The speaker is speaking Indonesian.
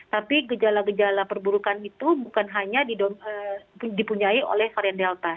tapi gejala gejala perburukan itu bukan hanya dipunyai oleh varian delta